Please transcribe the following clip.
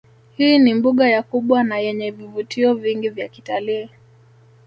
Hii ni mbuga ya kubwa nayenye vivutio vingi vya kitalii